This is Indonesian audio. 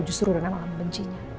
justru rena akan bencinya